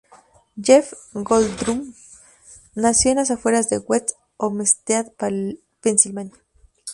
Jeff Goldblum nació en las afueras de West Homestead, Pensilvania.